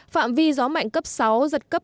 phạm vi gió mạnh cấp sáu giật cấp một mươi